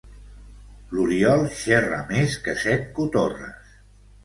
L'Oriol xerra més que set cotorres.